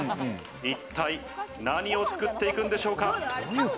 一体何を作っていくんでしょうか？